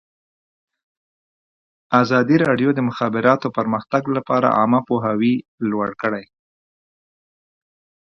ازادي راډیو د د مخابراتو پرمختګ لپاره عامه پوهاوي لوړ کړی.